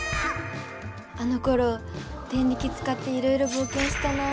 あのころデンリキつかっていろいろぼうけんしたなあ。